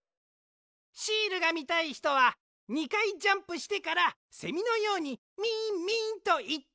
シールがみたいひとは２かいジャンプしてからセミのように「ミンミン」とい。